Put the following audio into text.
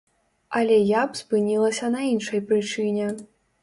Але я б спынілася на іншай прычыне.